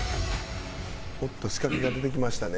おっと仕掛けが出てきましたね。